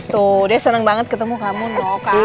tuh dia seneng banget ketemu kamu